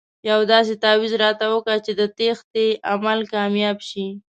یو داسې تاویز راته وکاږه چې د تېښتې عمل کامیاب شي.